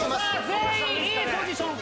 全員いいポジション！